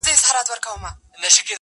• د نامردو ګوزارونه وار په وار سي -